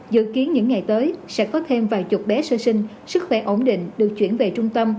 dự kiến những ngày tới sẽ có thêm vài chục bé sơ sinh sức khỏe ổn định được chuyển về trung tâm